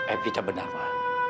evita benar ma